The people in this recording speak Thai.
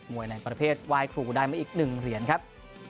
วยในประเภทไหว้ครูได้มาอีก๑เหรียญครับ